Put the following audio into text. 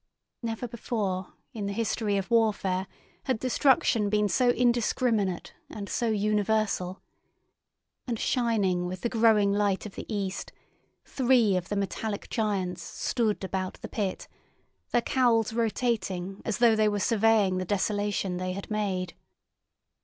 Never before in the history of warfare had destruction been so indiscriminate and so universal. And shining with the growing light of the east, three of the metallic giants stood about the pit, their cowls rotating as though they were surveying the desolation they had made.